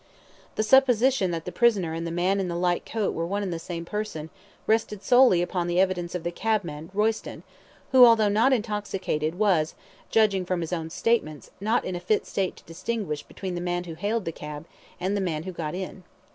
The supposition that the prisoner and the man in the light coat were one and the same person, rested solely upon the evidence of the cabman, Royston, who, although not intoxicated, was judging from his own statements, not in a fit state to distinguish between the man who hailed the cab, and the man who got in.